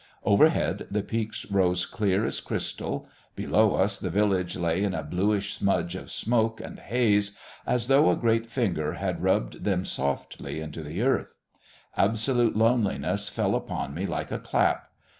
Overhead the peaks rose clear as crystal; below us the village lay in a bluish smudge of smoke and haze, as though a great finger had rubbed them softly into the earth. Absolute loneliness fell upon me like a clap.